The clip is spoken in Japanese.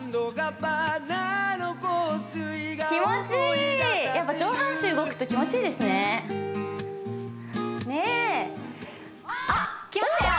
気持ちいいやっぱ上半身動くと気持ちいいですねねぇあっきましたよ